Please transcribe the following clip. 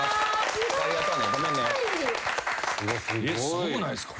すごくないですか？